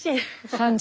３０